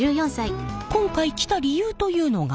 今回来た理由というのが？